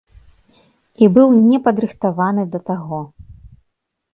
І быў не падрыхтаваны да таго.